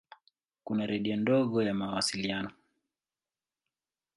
Kuna redio ndogo ya mawasiliano.